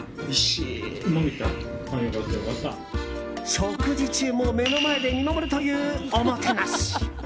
食事中も目の前で見守るというおもてなし。